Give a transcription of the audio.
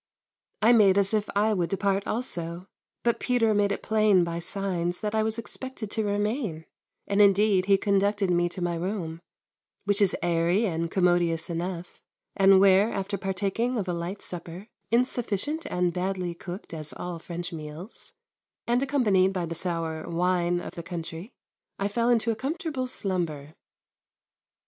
I made as if I would depart also, but Peter made it plain by signs that I was expected to remain, and indeed he conducted me to my room, which is airy and commodious enough, and where, after partaking of a light supper, insufficient and badly cooked as all French meals, and accompanied by the sour "wine" of the country, I fell into a comfortable slumber.